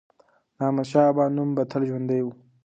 د احمدشاه بابا نوم به تل ژوندی وي.